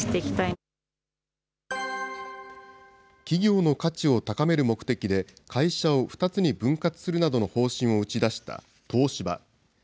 企業の価値を高める目的で会社を２つに分割するなどの方針を打ち出した東芝。